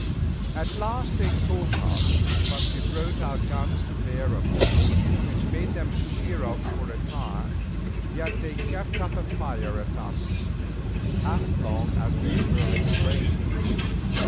At last they caught us, but we brought our guns to bear on them, which made them shear off for a time, yet they kept up a fire at us as long as they were in range.